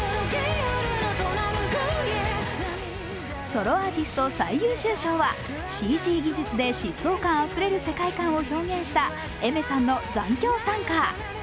ソロアーティスト最優秀賞はＣＧ技術で疾走感あふれる世界観を表現したＡｉｍｅｒさんの「残響散歌」。